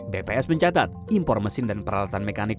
bps mencatat impor mesin dan peralatan mekanik